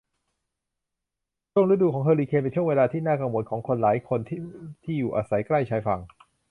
ช่วงฤดูของเฮอริเคนเป็นช่วงเวลาที่น่ากังวลของคนหลายคนผู้ที่อาศัยอยู่ใกล้ชายฝั่ง